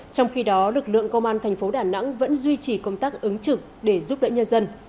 trong khi đó lực lượng công an thành phố đà nẵng vẫn duy trì công tác ứng trực để giúp đỡ nhân dân